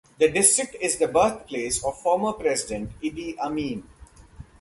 The district is the birthplace of former President Idi Amin.